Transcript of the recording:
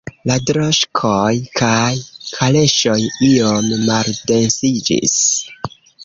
La droŝkoj kaj kaleŝoj iom maldensiĝis.